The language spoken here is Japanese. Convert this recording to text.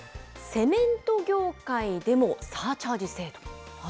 セメント業界でもサーチャージ制度。